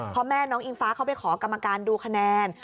พ่อแม่น้องอิงฟ้าเข้าไปขอกรรมการดูคะแนน